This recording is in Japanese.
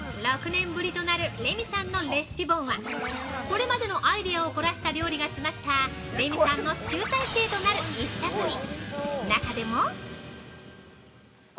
◆６年ぶりとなるレミさんのレシピ本はこれまでのアイデアを凝らした料理が詰まったレミさんの集大成となる一冊に。